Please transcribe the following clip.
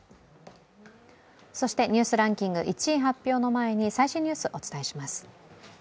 そして、「ニュースランキング」１位発表の前に最新ニュース、お伝えします。